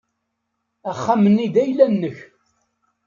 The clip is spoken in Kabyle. Axxam-nni d ayla-nnek.